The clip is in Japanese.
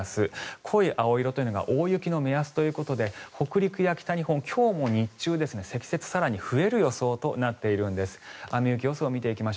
濃い青色というのが大雪の目安ということで北陸や北日本、今日も日中積雪が更に増える予想となっています。